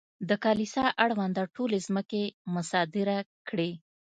د کلیسا اړونده ټولې ځمکې مصادره کړې.